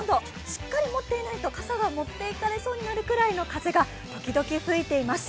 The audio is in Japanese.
しっかり持っていないと傘が持っていかれそうになるぐらいの風が時々吹いています。